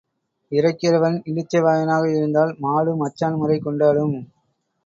இறைக்கிறவன் இளிச்ச வாயனாக இருந்தால் மாடு மச்சான் முறை கொண்டாடும்.